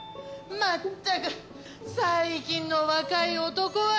まったく最近の若い男は。